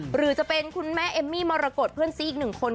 หรือจะเป็นคุณแม่เอมมี่มาระกดเพื่อนซี่อีก๑คน